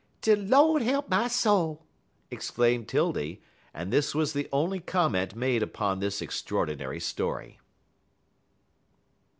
"De Lord he'p my soul!" exclaimed 'Tildy, and this was the only comment made upon this extraordinary story.